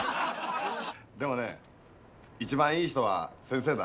でもね一番いい人は先生だ。